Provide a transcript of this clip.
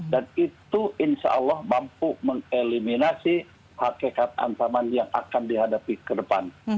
dan itu insya allah mampu mengeliminasi hakikat antaman yang akan dihadapi ke depan